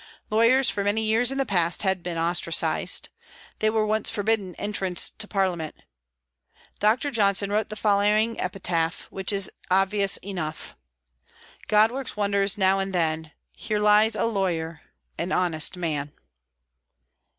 Lawyers, for many years in the past, had been ostracised. They were once forbidden entrance to Parliament. Dr. Johnson wrote the following epitaph, which is obvious enough: God works wonders now and then; Here lies a lawyer an honest man.